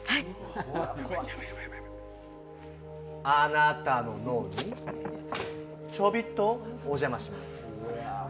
あなたの脳にちょびっとお邪魔します。